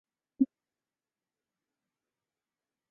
已被定为第二批上海市优秀历史建筑。